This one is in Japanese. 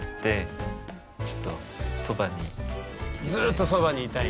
ずっとそばにいたい。